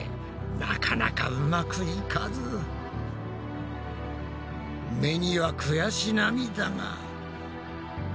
なかなかうまくいかず目には悔し涙が。